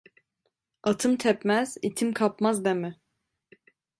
Atım tepmez, itim kapmaz deme.